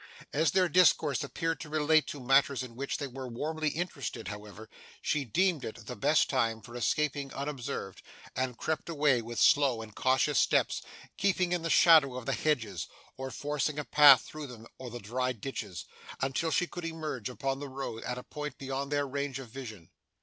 As their discourse appeared to relate to matters in which they were warmly interested, however, she deemed it the best time for escaping unobserved; and crept away with slow and cautious steps, keeping in the shadow of the hedges, or forcing a path through them or the dry ditches, until she could emerge upon the road at a point beyond their range of vision.